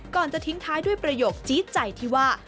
ก่อนจะทิ้งท้ายด้วยประโยคจี๊ดใจที่ว่า